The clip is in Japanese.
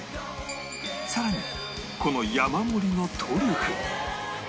さらにこの山盛りのトリュフ